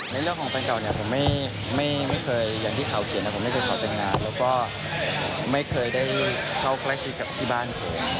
เรื่องของแฟนเก่าเนี่ยผมไม่เคยอย่างที่ข่าวเขียนนะผมไม่เคยขอแต่งงานแล้วก็ไม่เคยได้เข้าใกล้ชิดกับที่บ้านผม